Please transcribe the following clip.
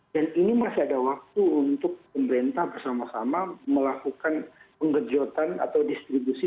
dan ini masih ada waktu untuk pemerintah bersama sama melakukan pengerjotan atau distribusi